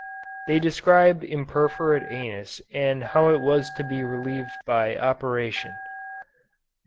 They described imperforate anus and how it was to be relieved by operation.